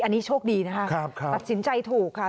อันนี้โชคดีนะคะตัดสินใจถูกค่ะ